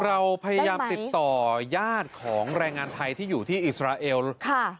เราพยายามติดต่อยาดของแรงงานไทยที่อยู่ที่อิสราเอลค่ะ